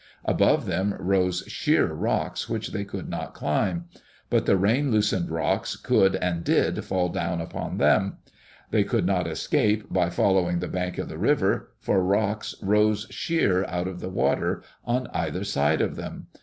Above them rose sheer rocks which they could not climb. But the rain loosened rocks could and did fall down upon them. They could not escape by following the bank of the river, for rocks rose sheer out of the water on either side of them.